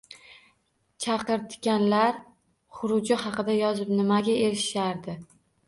Chaqirtikanlar huruji haqida yozib nimaga erishardi?